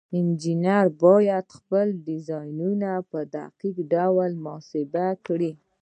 انجینران باید خپل ډیزاینونه په دقیق ډول محاسبه کړي.